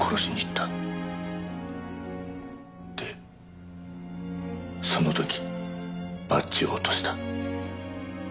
でその時バッジを落とした。